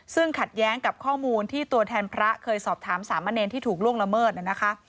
ซึ่งขัดแย้งกับข้อมูลที่ตัวแทนพระเคยสอบถามสามเณรที่ถูกล่วงละเมิดนะคะ